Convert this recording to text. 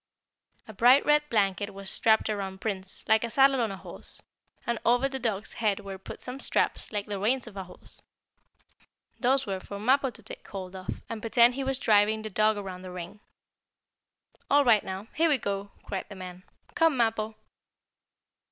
A bright red blanket was strapped around Prince, like a saddle on a horse, and over the dog's head were put some straps like the reins of a horse. Those were for Mappo to take hold of, and pretend he was driving the dog around the ring. "All right now. Here we go!" cried the man. "Come, Mappo!"